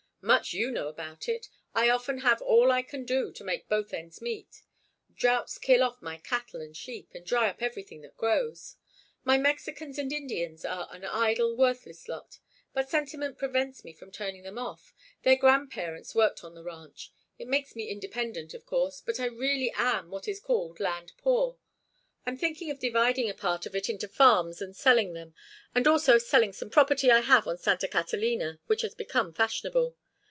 "Much you know about it. I often have all I can do to make both ends meet. Droughts kill off my cattle and sheep and dry up everything that grows. My Mexicans and Indians are an idle, worthless lot, but sentiment prevents me from turning them off—their grandparents worked on the ranch. It makes me independent, of course, but I really am what is called land poor. I'm thinking of dividing a part of it into farms and selling them, and also of selling some property I have on Santa Catalina, which has become fashionable.